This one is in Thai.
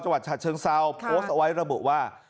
วัดฉาเชิงเซาโพสต์เอาไว้ระบุว่า